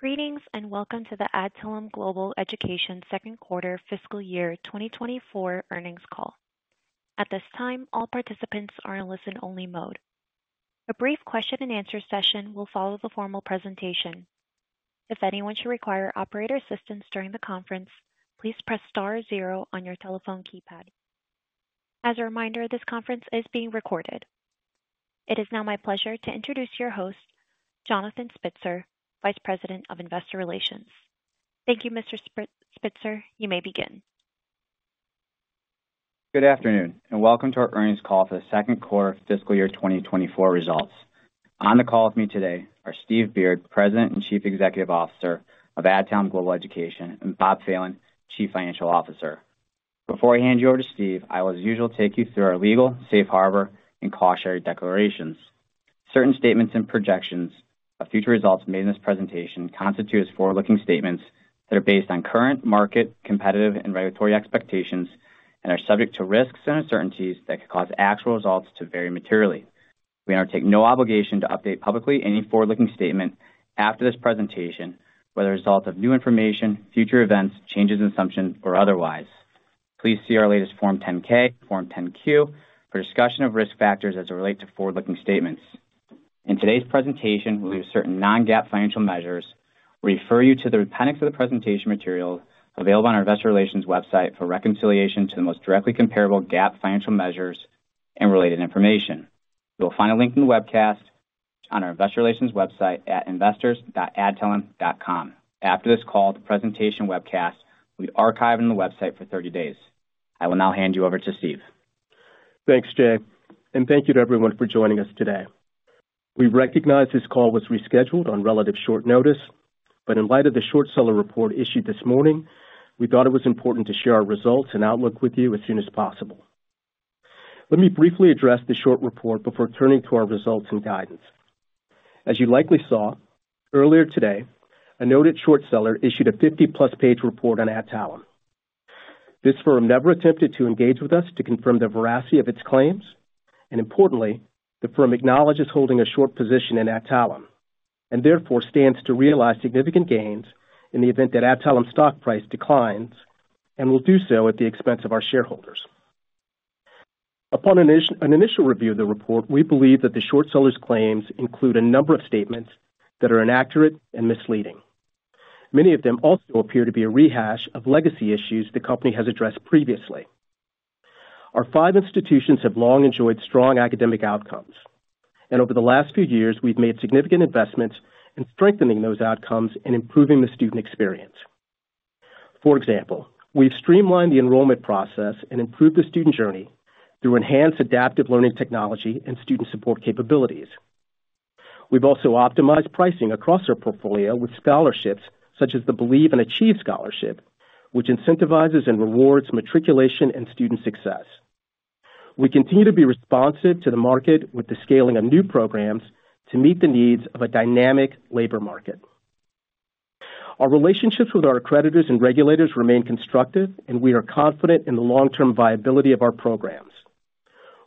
Greetings, and welcome to the Adtalem Global Education second quarter fiscal year 2024 earnings call. At this time, all participants are in listen-only mode. A brief question-and-answer session will follow the formal presentation. If anyone should require operator assistance during the conference, please press star zero on your telephone keypad. As a reminder, this conference is being recorded. It is now my pleasure to introduce your host, Jonathan Spitzer, Vice President of Investor Relations. Thank you, Mr. Spitzer. You may begin. Good afternoon, and welcome to our earnings call for the second quarter fiscal year 2024 results. On the call with me today are Steve Beard, President and Chief Executive Officer of Adtalem Global Education, and Bob Phelan, Chief Financial Officer. Before I hand you over to Steve, I will, as usual, take you through our legal, safe harbor, and cautionary declarations. Certain statements and projections of future results made in this presentation constitute as forward-looking statements that are based on current market, competitive, and regulatory expectations and are subject to risks and uncertainties that could cause actual results to vary materially. We undertake no obligation to update publicly any forward-looking statement after this presentation, whether as a result of new information, future events, changes in assumptions, or otherwise. Please see our latest Form 10-K, Form 10-Q for discussion of risk factors as they relate to forward-looking statements. In today's presentation, we'll use certain non-GAAP financial measures. We refer you to the appendix of the presentation material available on our investor relations website for reconciliation to the most directly comparable GAAP financial measures and related information. You will find a link in the webcast on our investor relations website at investors.adtalem.com. After this call, the presentation webcast will be archived on the website for 30 days. I will now hand you over to Steve. Thanks, Jon, and thank you to everyone for joining us today. We recognize this call was rescheduled on relatively short notice, but in light of the short-seller report issued this morning, we thought it was important to share our results and outlook with you as soon as possible. Let me briefly address the short report before turning to our results and guidance. As you likely saw, earlier today, a noted short seller issued a 50+ page report on Adtalem. This firm never attempted to engage with us to confirm the veracity of its claims, and importantly, the firm acknowledges holding a short position in Adtalem, and therefore stands to realize significant gains in the event that Adtalem stock price declines, and will do so at the expense of our shareholders. Upon an initial review of the report, we believe that the short-seller's claims include a number of statements that are inaccurate and misleading. Many of them also appear to be a rehash of legacy issues the company has addressed previously. Our five institutions have long enjoyed strong academic outcomes, and over the last few years, we've made significant investments in strengthening those outcomes and improving the student experience. For example, we've streamlined the enrollment process and improved the student journey through enhanced adaptive learning technology and student support capabilities. We've also optimized pricing across our portfolio with scholarships such as the Believe and Achieve Scholarship, which incentivizes and rewards matriculation and student success. We continue to be responsive to the market with the scaling of new programs to meet the needs of a dynamic labor market. Our relationships with our accreditors and regulators remain constructive, and we are confident in the long-term viability of our programs.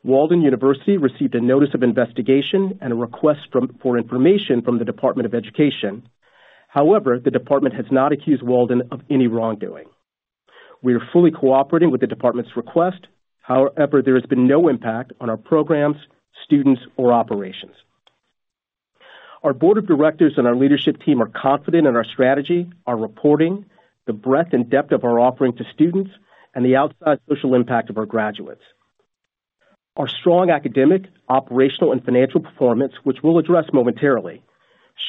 Walden University received a notice of investigation and a request for information from the Department of Education. However, the department has not accused Walden of any wrongdoing. We are fully cooperating with the department's request. However, there has been no impact on our programs, students, or operations. Our Board of Directors and our leadership team are confident in our strategy, our reporting, the breadth and depth of our offering to students, and the outside social impact of our graduates. Our strong academic, operational, and financial performance, which we'll address momentarily,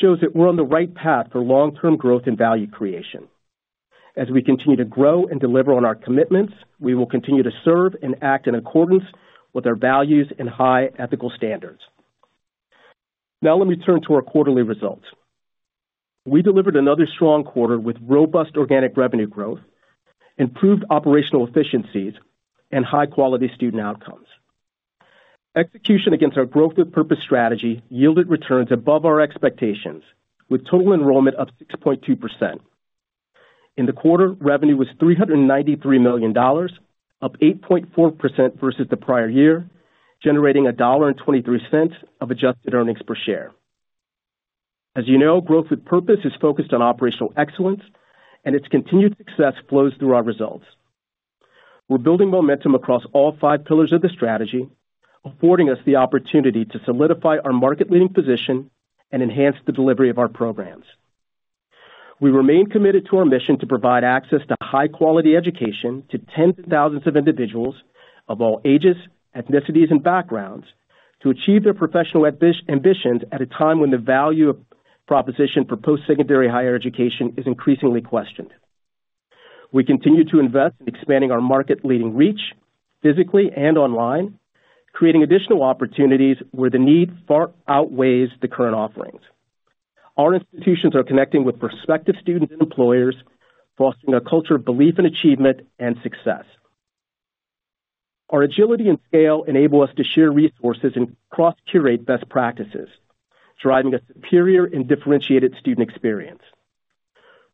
shows that we're on the right path for long-term growth and value creation. As we continue to grow and deliver on our commitments, we will continue to serve and act in accordance with our values and high ethical standards. Now let me turn to our quarterly results. We delivered another strong quarter with robust organic revenue growth, improved operational efficiencies, and high-quality student outcomes. Execution against our Growth with Purpose strategy yielded returns above our expectations, with total enrollment up 6.2%. In the quarter, revenue was $393 million, up 8.4% versus the prior year, generating $1.23 of adjusted earnings per share. As you know, Growth with Purpose is focused on operational excellence, and its continued success flows through our results. We're building momentum across all five pillars of the strategy, affording us the opportunity to solidify our market-leading position and enhance the delivery of our programs. We remain committed to our mission to provide access to high-quality education to tens of thousands of individuals of all ages, ethnicities, and backgrounds, to achieve their professional ambitions at a time when the value proposition for post-secondary higher education is increasingly questioned. We continue to invest in expanding our market-leading reach, physically and online, creating additional opportunities where the need far outweighs the current offerings. Our institutions are connecting with prospective students and employers, fostering a culture of belief in achievement and success. Our agility and scale enable us to share resources and cross-curate best practices, driving a superior and differentiated student experience.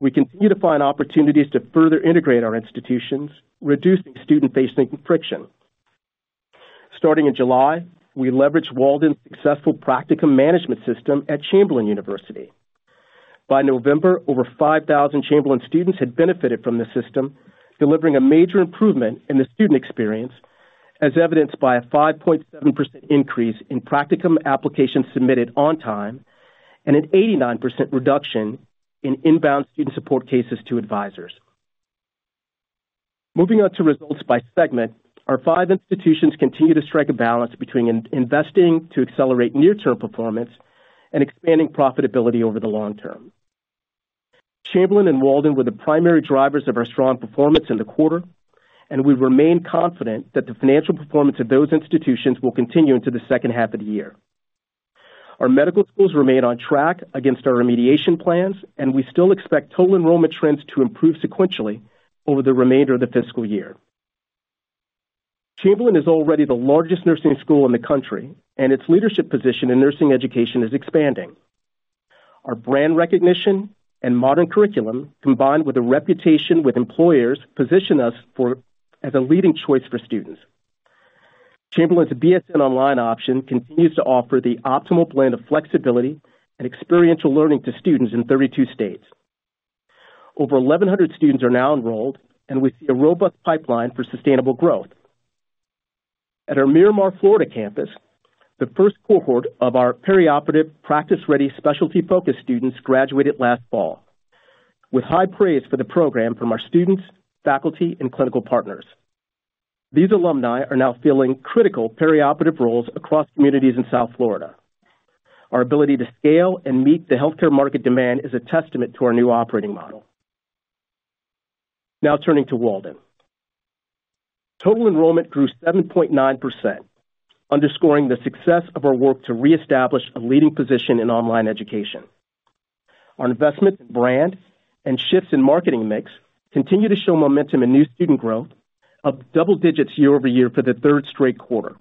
We continue to find opportunities to further integrate our institutions, reducing student-facing friction... Starting in July, we leveraged Walden's successful practicum management system at Chamberlain University. By November, over 5,000 Chamberlain students had benefited from the system, delivering a major improvement in the student experience, as evidenced by a 5.7% increase in practicum applications submitted on time and an 89% reduction in inbound student support cases to advisors. Moving on to results by segment, our five institutions continue to strike a balance between investing to accelerate near-term performance and expanding profitability over the long term. Chamberlain and Walden were the primary drivers of our strong performance in the quarter, and we remain confident that the financial performance of those institutions will continue into the second half of the year. Our medical schools remain on track against our remediation plans, and we still expect total enrollment trends to improve sequentially over the remainder of the fiscal year. Chamberlain is already the largest nursing school in the country, and its leadership position in nursing education is expanding. Our brand recognition and modern curriculum, combined with a reputation with employers, position us as a leading choice for students. Chamberlain's BSN Online Option continues to offer the optimal blend of flexibility and experiential learning to students in 32 states. Over 1,100 students are now enrolled, and we see a robust pipeline for sustainable growth. At our Miramar, Florida, campus, the first cohort of our perioperative practice-ready, specialty-focused students graduated last fall, with high praise for the program from our students, faculty, and clinical partners. These alumni are now filling critical perioperative roles across communities in South Florida. Our ability to scale and meet the healthcare market demand is a testament to our new operating model. Now turning to Walden. Total enrollment grew 7.9%, underscoring the success of our work to reestablish a leading position in online education. Our investment in brand and shifts in marketing mix continue to show momentum in new student growth, up double-digits year-over-year for the third straight quarter.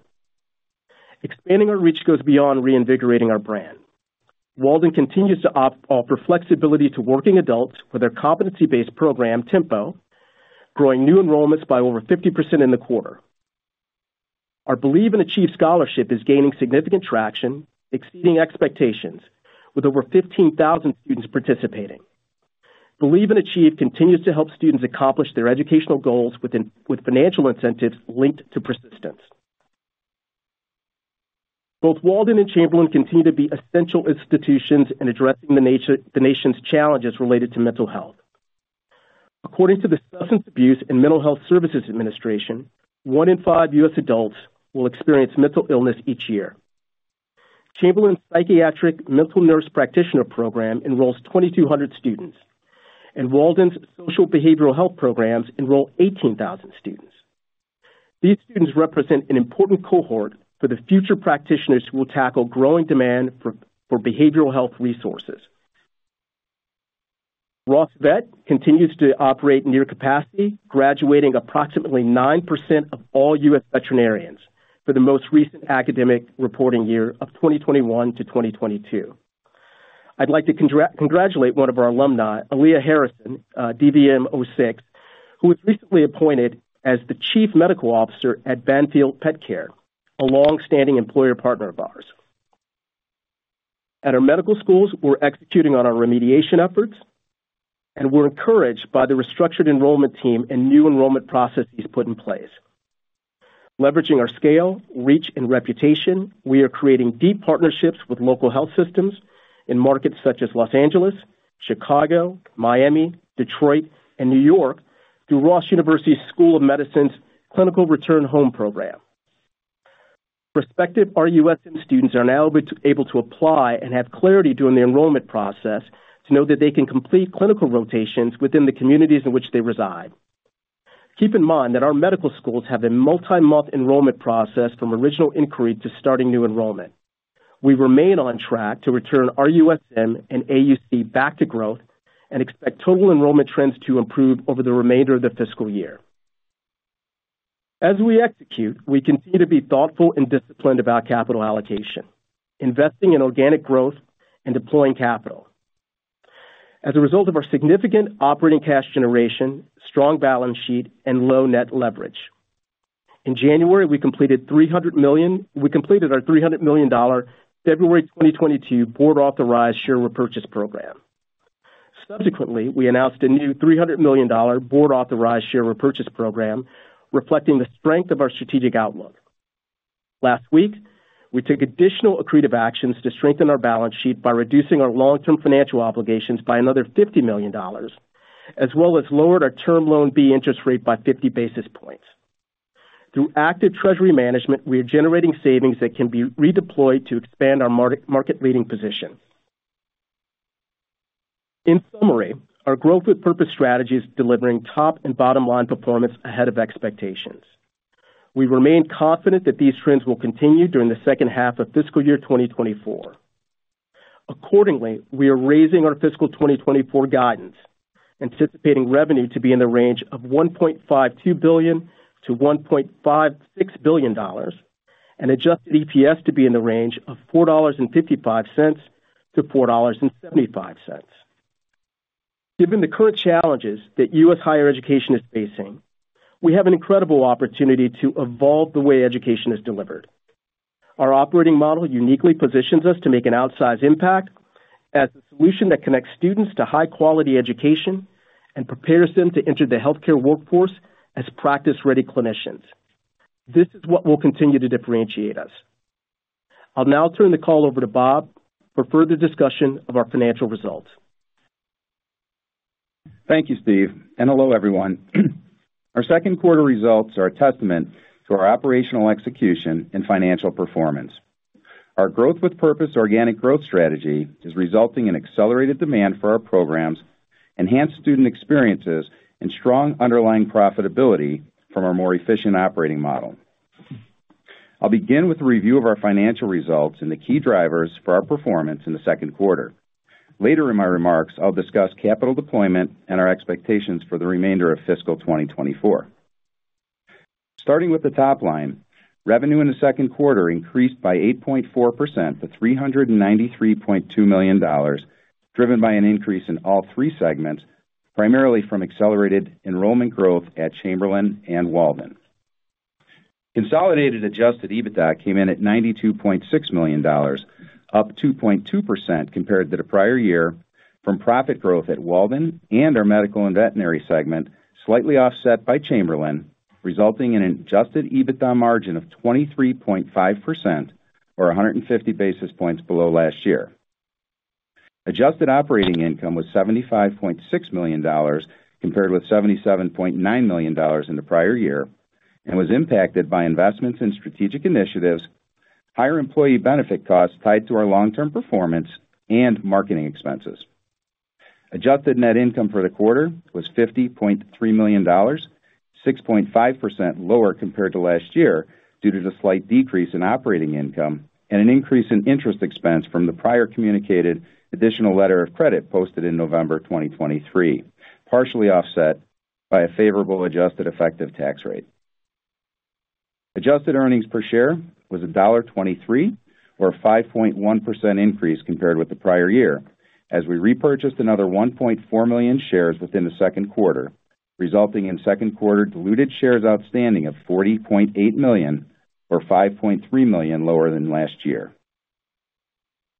Expanding our reach goes beyond reinvigorating our brand. Walden continues to offer flexibility to working adults with their competency-based program, Tempo, growing new enrollments by over 50% in the quarter. Our Believe and Achieve Scholarship is gaining significant traction, exceeding expectations, with over 15,000 students participating. Believe and Achieve continues to help students accomplish their educational goals with financial incentives linked to persistence. Both Walden and Chamberlain continue to be essential institutions in addressing the nation's challenges related to mental health. According to the Substance Abuse and Mental Health Services Administration, one in five U.S. adults will experience mental illness each year. Chamberlain's Psychiatric Mental Health Nurse Practitioner program enrolls 2,200 students, and Walden's Social Behavioral Health programs enroll 18,000 students. These students represent an important cohort for the future practitioners who will tackle growing demand for, for behavioral health resources. Ross Vet continues to operate near capacity, graduating approximately 9% of all U.S. veterinarians for the most recent academic reporting year of 2021 to 2022. I'd like to congratulate one of our alumni, Alea Harrison, DVM 2006, who was recently appointed as the Chief Medical Officer at Banfield Pet Care, a long-standing employer partner of ours. At our medical schools, we're executing on our remediation efforts, and we're encouraged by the restructured enrollment team and new enrollment processes put in place. Leveraging our scale, reach, and reputation, we are creating deep partnerships with local health systems in markets such as Los Angeles, Chicago, Miami, Detroit, and New York through Ross University School of Medicine's Clinical Return Home program. Prospective RUSM students are now able to apply and have clarity during the enrollment process to know that they can complete clinical rotations within the communities in which they reside. Keep in mind that our medical schools have a multi-month enrollment process, from original inquiry to starting new enrollment. We remain on track to return RUSM and AUC back to growth and expect total enrollment trends to improve over the remainder of the fiscal year. As we execute, we continue to be thoughtful and disciplined about capital allocation, investing in organic growth and deploying capital. As a result of our significant operating cash generation, strong balance sheet, and low net leverage, in January, we completed our $300 million February 2022 board-authorized share repurchase program. Subsequently, we announced a new $300 million board-authorized share repurchase program, reflecting the strength of our strategic outlook. Last week, we took additional accretive actions to strengthen our balance sheet by reducing our long-term financial obligations by another $50 million, as well as lowered our Term Loan B interest rate by 50 basis points. Through active treasury management, we are generating savings that can be redeployed to expand our market-leading position. In summary, our growth with purpose strategy is delivering top and bottom line performance ahead of expectations. We remain confident that these trends will continue during the second half of fiscal year 2024. Accordingly, we are raising our fiscal 2024 guidance, anticipating revenue to be in the range of $1.52 billion-$1.56 billion, and adjusted EPS to be in the range of $4.55-$4.75.... Given the current challenges that U.S. higher education is facing, we have an incredible opportunity to evolve the way education is delivered. Our operating model uniquely positions us to make an outsized impact as a solution that connects students to high-quality education and prepares them to enter the healthcare workforce as practice-ready clinicians. This is what will continue to differentiate us. I'll now turn the call over to Bob for further discussion of our financial results. Thank you, Steve, and hello, everyone. Our second quarter results are a testament to our operational execution and financial performance. Our Growth with Purpose organic growth strategy is resulting in accelerated demand for our programs, enhanced student experiences, and strong underlying profitability from our more efficient operating model. I'll begin with a review of our financial results and the key drivers for our performance in the second quarter. Later in my remarks, I'll discuss capital deployment and our expectations for the remainder of fiscal 2024. Starting with the top line, revenue in the second quarter increased by 8.4% to $393.2 million, driven by an increase in all three segments, primarily from accelerated enrollment growth at Chamberlain and Walden. Consolidated adjusted EBITDA came in at $92.6 million, up 2.2% compared to the prior year, from profit growth at Walden and our medical and veterinary segment, slightly offset by Chamberlain, resulting in an adjusted EBITDA margin of 23.5% or 150 basis points below last year. Adjusted operating income was $75.6 million, compared with $77.9 million in the prior year, and was impacted by investments in strategic initiatives, higher employee benefit costs tied to our long-term performance, and marketing expenses. Adjusted net income for the quarter was $50.3 million, 6.5% lower compared to last year, due to the slight decrease in operating income and an increase in interest expense from the prior communicated additional letter of credit posted in November 2023, partially offset by a favorable adjusted effective tax rate. Adjusted earnings per share was $1.23, or a 5.1% increase compared with the prior year, as we repurchased another $1.4 million shares within the second quarter, resulting in second quarter diluted shares outstanding of $40.8 million, or $5.3 million lower than last year.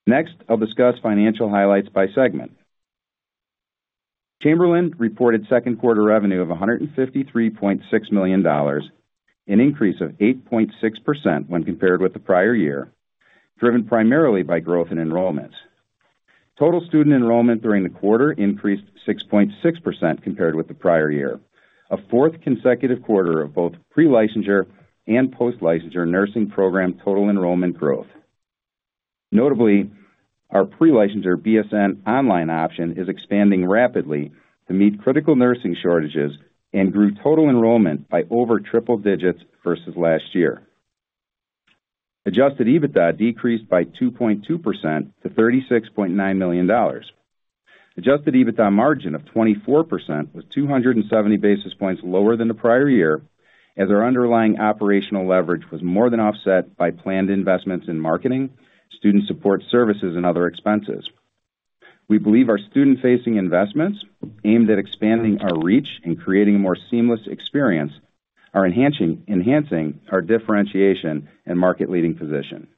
Next, I'll discuss financial highlights by segment. Chamberlain reported second quarter revenue of $153.6 million, an increase of 8.6% when compared with the prior year, driven primarily by growth in enrollments. Total student enrollment during the quarter increased 6.6% compared with the prior year, a fourth consecutive quarter of both pre-licensure and post-licensure nursing program total enrollment growth. Notably, our pre-licensure BSN Online Option is expanding rapidly to meet critical nursing shortages and grew total enrollment by over triple digits versus last year. Adjusted EBITDA decreased by 2.2% to $36.9 million. Adjusted EBITDA margin of 24% was 270 basis points lower than the prior year, as our underlying operational leverage was more than offset by planned investments in marketing, student support services, and other expenses. We believe our student-facing investments, aimed at expanding our reach and creating a more seamless experience, are enhancing, enhancing our differentiation and market-leading position.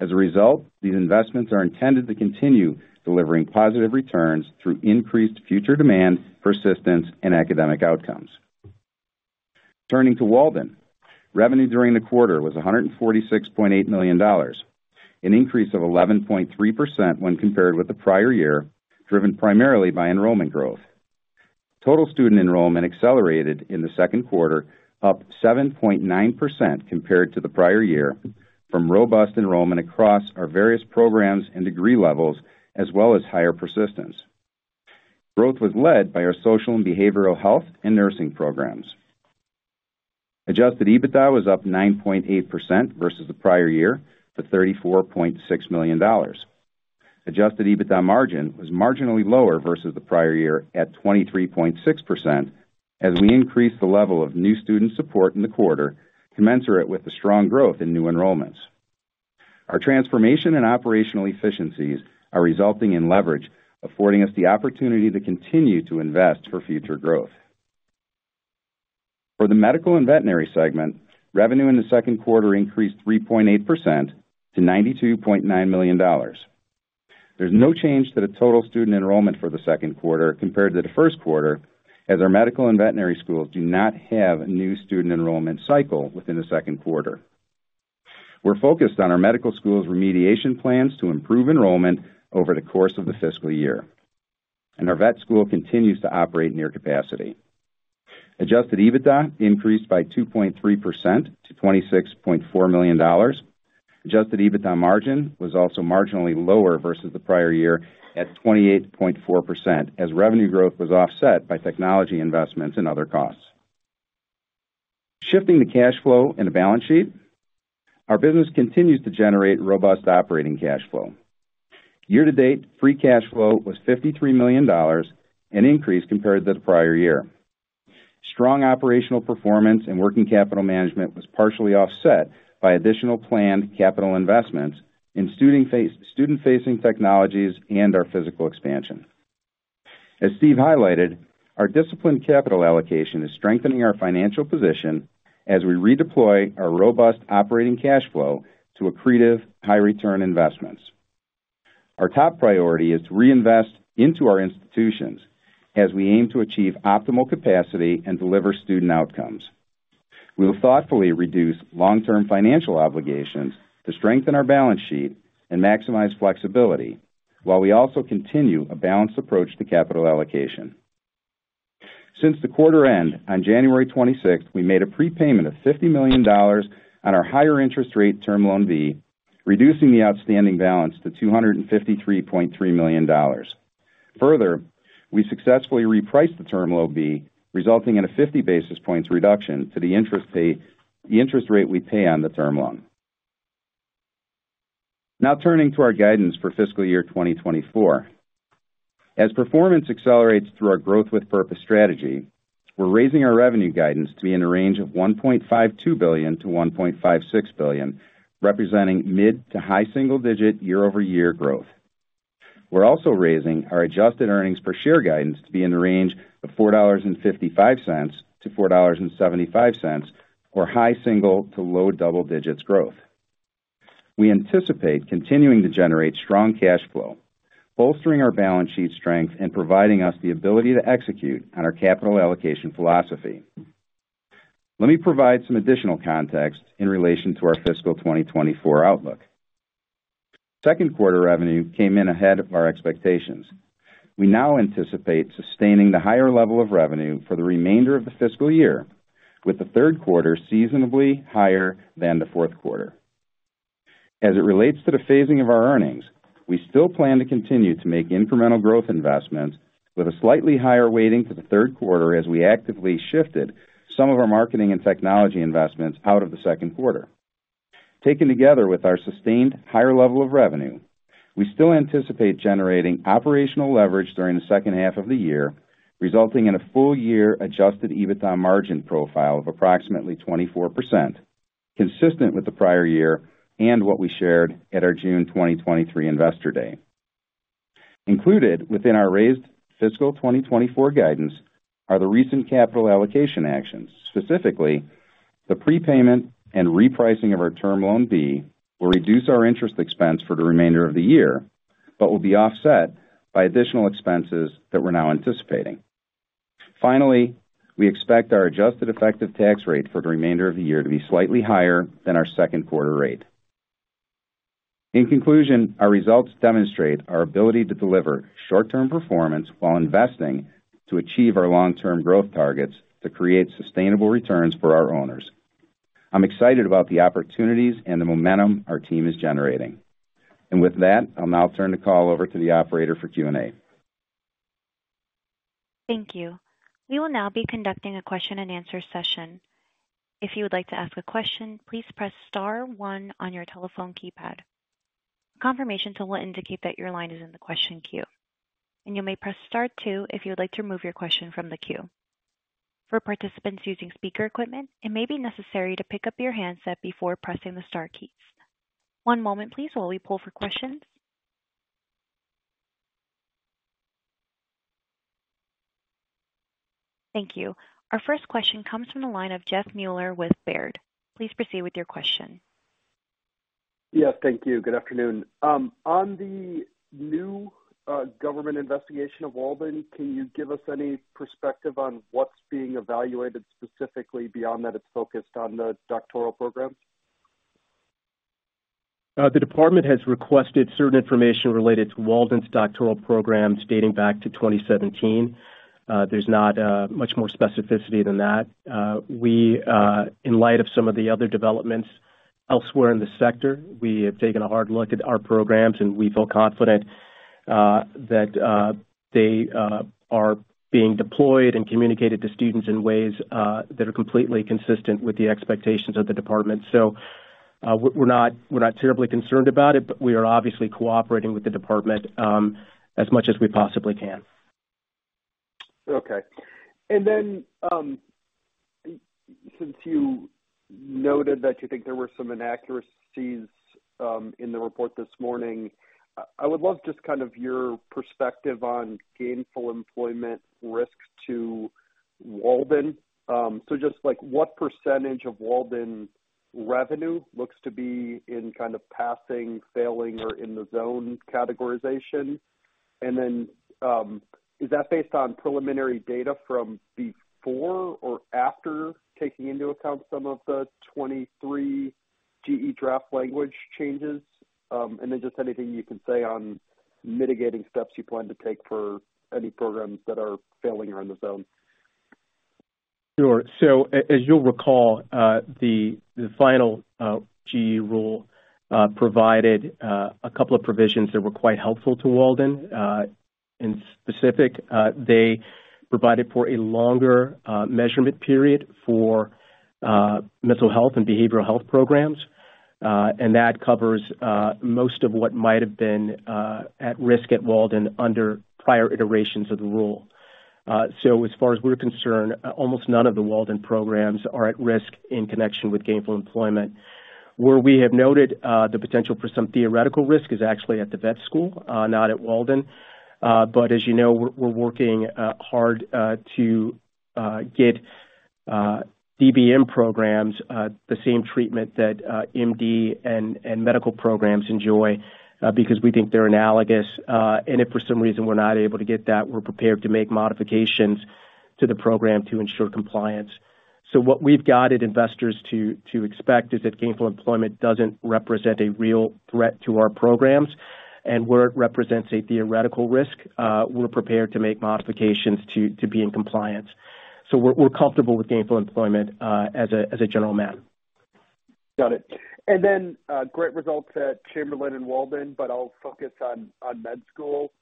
As a result, these investments are intended to continue delivering positive returns through increased future demand, persistence, and academic outcomes. Turning to Walden. Revenue during the quarter was $146.8 million, an increase of 11.3% when compared with the prior year, driven primarily by enrollment growth. Total student enrollment accelerated in the second quarter, up 7.9% compared to the prior year, from robust enrollment across our various programs and degree levels, as well as higher persistence. Growth was led by our social and behavioral health and nursing programs. Adjusted EBITDA was up 9.8% versus the prior year, to $34.6 million. Adjusted EBITDA margin was marginally lower versus the prior year at 23.6%, as we increased the level of new student support in the quarter, commensurate with the strong growth in new enrollments. Our transformation and operational efficiencies are resulting in leverage, affording us the opportunity to continue to invest for future growth. For the medical and veterinary segment, revenue in the second quarter increased 3.8% to $92.9 million. There's no change to the total student enrollment for the second quarter compared to the first quarter, as our medical and veterinary schools do not have a new student enrollment cycle within the second quarter. We're focused on our medical school's remediation plans to improve enrollment over the course of the fiscal year, and our vet school continues to operate near capacity. Adjusted EBITDA increased by 2.3% to $26.4 million. Adjusted EBITDA margin was also marginally lower versus the prior year, at 28.4%, as revenue growth was offset by technology investments and other costs. Shifting to cash flow and the balance sheet, our business continues to generate robust operating cash flow. Year to date, free cash flow was $53 million, an increase compared to the prior year.... Strong operational performance and working capital management was partially offset by additional planned capital investments in student-facing technologies and our physical expansion. As Steve highlighted, our disciplined capital allocation is strengthening our financial position as we redeploy our robust operating cash flow to accretive high-return investments. Our top priority is to reinvest into our institutions as we aim to achieve optimal capacity and deliver student outcomes. We'll thoughtfully reduce long-term financial obligations to strengthen our balance sheet and maximize flexibility, while we also continue a balanced approach to capital allocation. Since the quarter end, on January 26th, we made a prepayment of $50 million on our higher interest rate Term Loan B, reducing the outstanding balance to $253.3 million. Further, we successfully repriced the Term Loan B, resulting in a 50 basis points reduction to the interest pay, the interest rate we pay on the term loan. Now turning to our guidance for fiscal year 2024. As performance accelerates through our Growth with Purpose strategy, we're raising our revenue guidance to be in a range of $1.52 billion-$1.56 billion, representing mid to high single-digit year-over-year growth. We're also raising our adjusted earnings per share guidance to be in the range of $4.55-$4.75, or high single-digit to low double-digit growth. We anticipate continuing to generate strong cash flow, bolstering our balance sheet strength and providing us the ability to execute on our capital allocation philosophy. Let me provide some additional context in relation to our fiscal 2024 outlook. Second quarter revenue came in ahead of our expectations. We now anticipate sustaining the higher level of revenue for the remainder of the fiscal year, with the third quarter seasonably higher than the fourth quarter. As it relates to the phasing of our earnings, we still plan to continue to make incremental growth investments with a slightly higher weighting to the third quarter as we actively shifted some of our marketing and technology investments out of the second quarter. Taken together with our sustained higher level of revenue, we still anticipate generating operational leverage during the second half of the year, resulting in a full-year adjusted EBITDA margin profile of approximately 24%, consistent with the prior year and what we shared at our June 2023 Investor Day. Included within our raised fiscal 2024 guidance are the recent capital allocation actions. Specifically, the prepayment and repricing of our Term Loan B will reduce our interest expense for the remainder of the year, but will be offset by additional expenses that we're now anticipating. Finally, we expect our adjusted effective tax rate for the remainder of the year to be slightly higher than our second quarter rate. In conclusion, our results demonstrate our ability to deliver short-term performance while investing to achieve our long-term growth targets to create sustainable returns for our owners. I'm excited about the opportunities and the momentum our team is generating. With that, I'll now turn the call over to the operator for Q&A. Thank you. We will now be conducting a question-and-answer session. If you would like to ask a question, please press star one on your telephone keypad. A confirmation tone will indicate that your line is in the question queue, and you may press star two if you would like to remove your question from the queue. For participants using speaker equipment, it may be necessary to pick up your handset before pressing the star keys. One moment please, while we pull for questions. Thank you. Our first question comes from the line of Jeff Meuler with Baird. Please proceed with your question. Yes, thank you. Good afternoon. On the new government investigation of Walden, can you give us any perspective on what's being evaluated, specifically beyond that, it's focused on the doctoral programs? The department has requested certain information related to Walden's doctoral programs dating back to 2017. There's not much more specificity than that. In light of some of the other developments elsewhere in the sector, we have taken a hard look at our programs, and we feel confident that they are being deployed and communicated to students in ways that are completely consistent with the expectations of the department. So, we're not terribly concerned about it, but we are obviously cooperating with the department as much as we possibly can. Okay. And then, since you noted that you think there were some inaccuracies, in the report this morning, I would love just kind of your perspective on Gainful Employment risk to Walden. So just like, what percentage of Walden's revenue looks to be in kind of passing, failing, or in the zone categorization? And then, is that based on preliminary data from before or after taking into account some of the 23 GE draft language changes? And then just anything you can say on mitigating steps you plan to take for any programs that are failing or in the zone. Sure. So as you'll recall, the final GE rule provided a couple of provisions that were quite helpful to Walden. In specific, they provided for a longer measurement period for mental health and behavioral health programs. ... and that covers most of what might have been at risk at Walden under prior iterations of the rule. So as far as we're concerned, almost none of the Walden programs are at risk in connection with gainful employment. Where we have noted the potential for some theoretical risk is actually at the vet school, not at Walden. But as you know, we're working hard to get DVM programs the same treatment that MD and medical programs enjoy, because we think they're analogous. And if for some reason we're not able to get that, we're prepared to make modifications to the program to ensure compliance. So what we've guided investors to expect is that Gainful Employment doesn't represent a real threat to our programs, and where it represents a theoretical risk, we're prepared to make modifications to be in compliance. We're comfortable with Gainful Employment as a general matter. Got it. And then, great results at Chamberlain and Walden, but I'll focus on med school.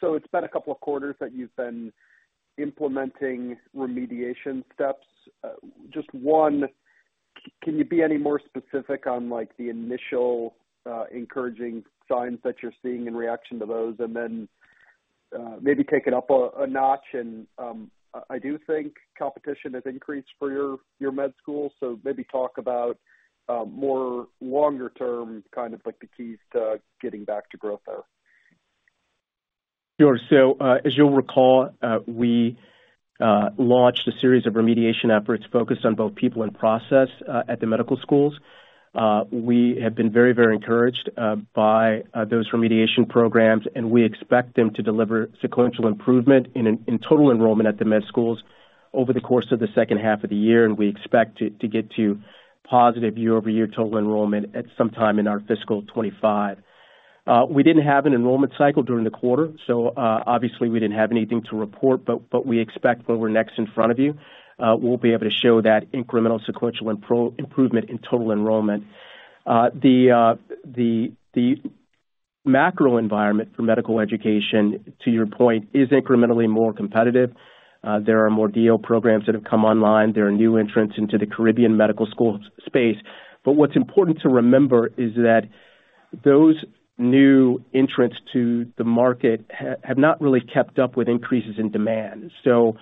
So it's been a couple of quarters that you've been implementing remediation steps. Just one, can you be any more specific on, like, the initial, encouraging signs that you're seeing in reaction to those? And then, maybe take it up a notch, and, I do think competition has increased for your med school, so maybe talk about, more longer term, kind of like the keys to getting back to growth there. Sure. As you'll recall, we launched a series of remediation efforts focused on both people and process at the medical schools. We have been very, very encouraged by those remediation programs, and we expect them to deliver sequential improvement in total enrollment at the med schools over the course of the second half of the year, and we expect to get to positive year-over-year total enrollment at some time in our fiscal 25. We didn't have an enrollment cycle during the quarter, so obviously, we didn't have anything to report, but we expect when we're next in front of you, we'll be able to show that incremental sequential improvement in total enrollment. The macro environment for medical education, to your point, is incrementally more competitive. There are more DO programs that have come online. There are new entrants into the Caribbean medical school space. But what's important to remember is that those new entrants to the market have not really kept up with increases in demand. So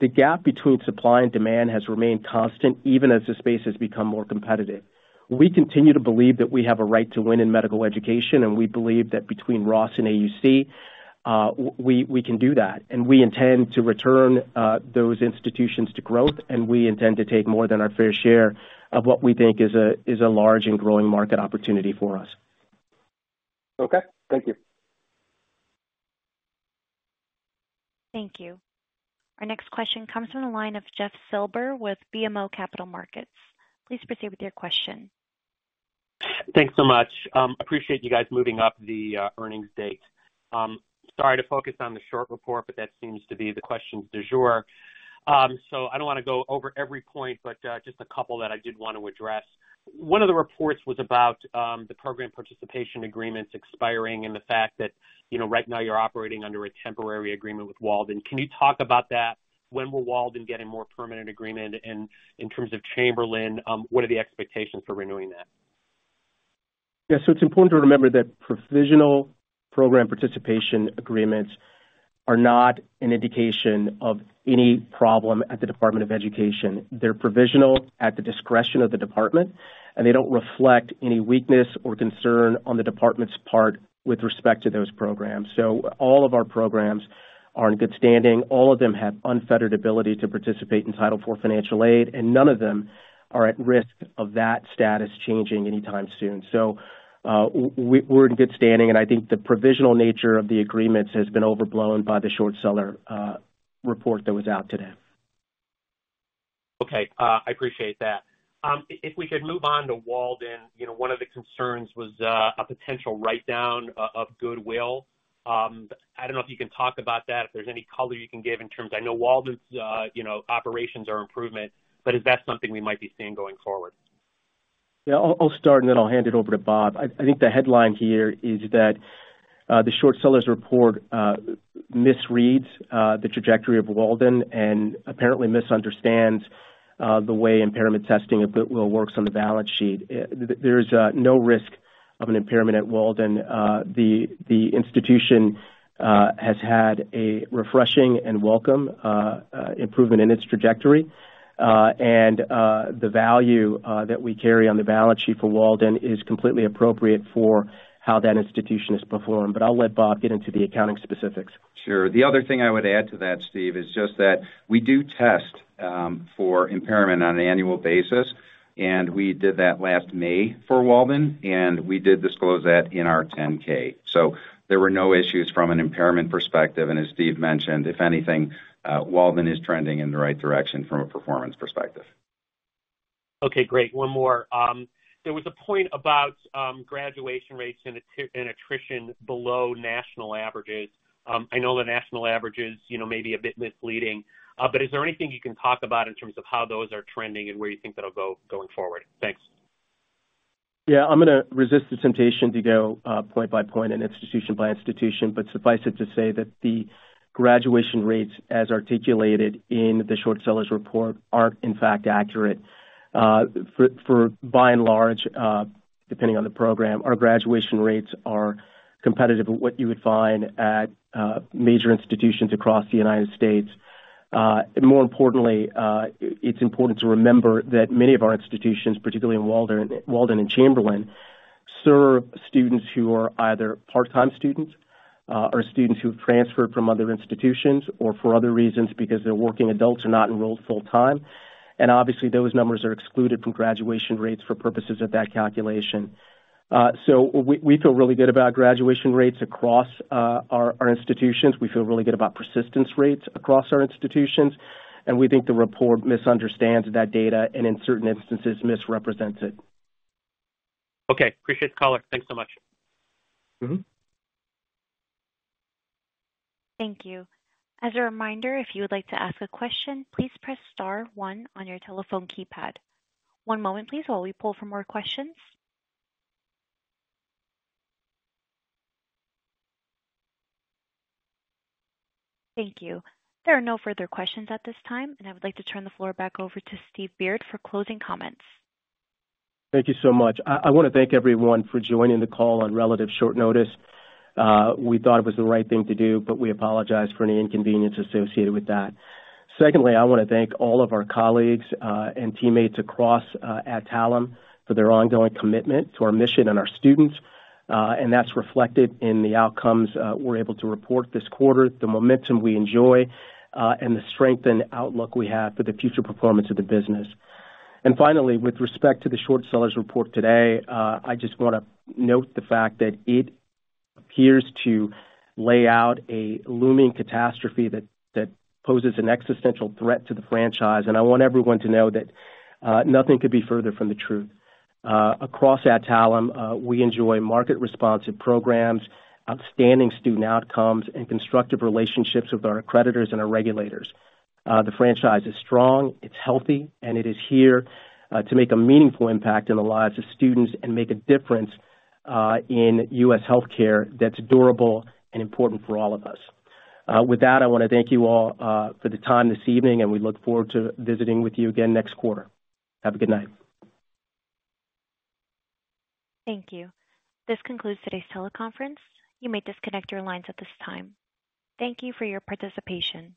the gap between supply and demand has remained constant, even as the space has become more competitive. We continue to believe that we have a right to win in medical education, and we believe that between Ross and AUC, we can do that, and we intend to return those institutions to growth, and we intend to take more than our fair share of what we think is a large and growing market opportunity for us. Okay. Thank you. Thank you. Our next question comes from the line of Jeff Silber with BMO Capital Markets. Please proceed with your question. Thanks so much. Appreciate you guys moving up the earnings date. Sorry to focus on the short report, but that seems to be the question du jour. So I don't wanna go over every point, but just a couple that I did want to address. One of the reports was about the program participation agreements expiring and the fact that, you know, right now you're operating under a temporary agreement with Walden. Can you talk about that? When will Walden get a more permanent agreement? And in terms of Chamberlain, what are the expectations for renewing that? Yeah, so it's important to remember that provisional program participation agreements are not an indication of any problem at the Department of Education. They're provisional at the discretion of the department, and they don't reflect any weakness or concern on the department's part with respect to those programs. So all of our programs are in good standing. All of them have unfettered ability to participate in Title IV financial aid, and none of them are at risk of that status changing anytime soon. So, we're in good standing, and I think the provisional nature of the agreements has been overblown by the short-seller report that was out today. Okay, I appreciate that. If we could move on to Walden. You know, one of the concerns was a potential write-down of goodwill. I don't know if you can talk about that, if there's any color you can give in terms... I know Walden's, you know, operations are improvement, but is that something we might be seeing going forward? Yeah, I'll start, and then I'll hand it over to Bob. I think the headline here is that the short-seller's report misreads the trajectory of Walden and apparently misunderstands the way impairment testing of goodwill works on the balance sheet. There is no risk of an impairment at Walden. The institution has had a refreshing and welcome improvement in its trajectory, and the value that we carry on the balance sheet for Walden is completely appropriate for how that institution has performed, but I'll let Bob get into the accounting specifics. Sure. The other thing I would add to that, Steve, is just that we do test for impairment on an annual basis, and we did that last May for Walden, and we did disclose that in our 10-K. So there were no issues from an impairment perspective, and as Steve mentioned, if anything, Walden is trending in the right direction from a performance perspective. Okay, great. One more. There was a point about graduation rates and attrition below national averages. I know the national averages, you know, may be a bit misleading, but is there anything you can talk about in terms of how those are trending and where you think that'll go going forward? Thanks. Yeah. I'm gonna resist the temptation to go point by point and institution by institution, but suffice it to say that the graduation rates, as articulated in the short-seller's report, aren't, in fact, accurate. For by and large, depending on the program, our graduation rates are competitive with what you would find at major institutions across the United States. And more importantly, it's important to remember that many of our institutions, particularly in Walden and Chamberlain, serve students who are either part-time students or students who've transferred from other institutions, or for other reasons, because they're working adults are not enrolled full-time. And obviously, those numbers are excluded from graduation rates for purposes of that calculation. So we feel really good about graduation rates across our institutions. We feel really good about persistence rates across our institutions, and we think the report misunderstands that data and in certain instances, misrepresents it. Okay, appreciate the call. Thanks so much. Mm-hmm. Thank you. As a reminder, if you would like to ask a question, please press star one on your telephone keypad. One moment, please, while we pull for more questions. Thank you. There are no further questions at this time, and I would like to turn the floor back over to Steve Beard for closing comments. Thank you so much. I, I want to thank everyone for joining the call on relatively short notice. We thought it was the right thing to do, but we apologize for any inconvenience associated with that. Secondly, I want to thank all of our colleagues, and teammates across, Adtalem, for their ongoing commitment to our mission and our students. And that's reflected in the outcomes, we're able to report this quarter, the momentum we enjoy, and the strength and outlook we have for the future performance of the business. And finally, with respect to the short-sellers report today, I just want to note the fact that it appears to lay out a looming catastrophe that, that poses an existential threat to the franchise, and I want everyone to know that, nothing could be further from the truth. Across Adtalem, we enjoy market-responsive programs, outstanding student outcomes, and constructive relationships with our accreditors and our regulators. The franchise is strong, it's healthy, and it is here to make a meaningful impact in the lives of students and make a difference in U.S. healthcare that's durable and important for all of us. With that, I want to thank you all for the time this evening, and we look forward to visiting with you again next quarter. Have a good night. Thank you. This concludes today's teleconference. You may disconnect your lines at this time. Thank you for your participation.